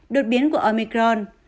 đột biến của omicron